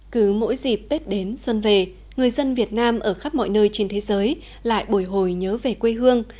cứ mỗi dịp tết đến xuân về người dân việt nam ở khắp mọi nơi trên thế giới lại bồi hồi nhớ về quê hương